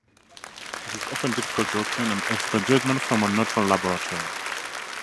It is often difficult to obtain an expert judgement from a neutral laboratory.